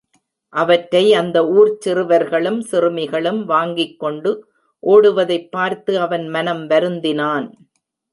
அவற்றை அந்த ஊர்ச் சிறுவர்களும் சிறுமிகளும் வாங்கிக்கொண்டு ஓடுவதைப் பார்த்து அவன் மனம் வருந்தினான்.